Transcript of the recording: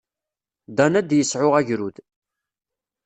Dan ad d-yesɛu agrud.